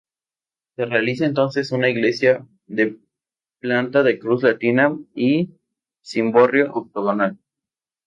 Se realiza entonces una iglesia de planta de cruz latina y cimborrio octogonal.